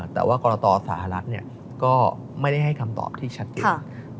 แต่ว่ากรตสหรัฐก็ไม่ได้ให้คำตอบที่ชัดเจน